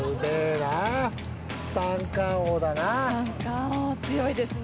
三冠王強いですね。